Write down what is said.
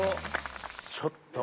ちょっと。